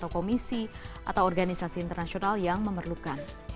komisi atau organisasi internasional yang memerlukan